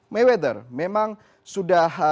mayweather memang sudah